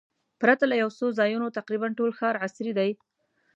پرته له یو څو ځایونو تقریباً ټول ښار عصري دی.